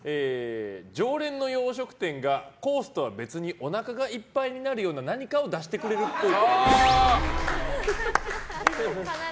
常連の洋食店がコースとは別におなかがいっぱいになるような何かを出してくれるっぽい。